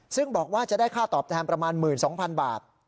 ซึ่งบอกว่าจะได้ค่าตอบแทนประมาณ๑๒๐๐๐บาท